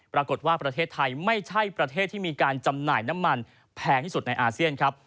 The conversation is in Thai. ปรากฏว่าประเทศไทยไม่ใช่ประเทศที่มีการจำหน่ายน้ำมันแพงที่สุดในอาเซียนครับ